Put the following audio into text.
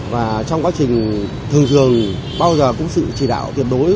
và trong quá trình thường dường bao giờ cũng sự chỉ đạo tiền đối